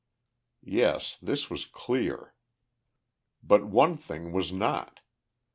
Yes, this was clear. But one thing was not.